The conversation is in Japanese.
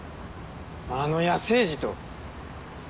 あの野生児と。